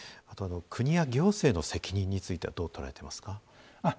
国や行政の責任についてはどう捉えてますか？